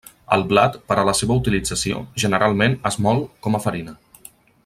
El blat, per a la seva utilització, generalment és mòlt com a farina.